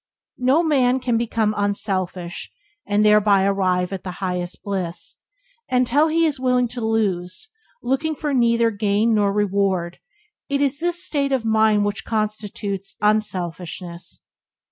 No man can become unselfish, and thereby arrive at the highest bliss, until he is willing to lose, looking for neither gain nor reward: it is this state of mind which constitutes unselfishness.